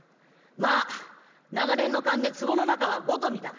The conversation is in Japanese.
まあ長年の勘で壺の中は５と見た。